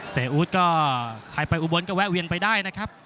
อู๊ดก็ใครไปอุบลก็แวะเวียนไปได้นะครับ